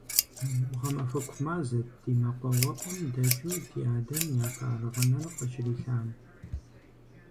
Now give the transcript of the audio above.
Гъэмахуэку мазэт ди мэкъуауапӀэм дэкӀыу дядэм япэ аргъынэр къыщрилъам.